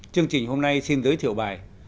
chương trình hôm nay xin giới thiệu bài